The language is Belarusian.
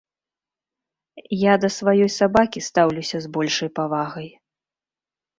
Я да сваёй сабакі стаўлюся з большай павагай.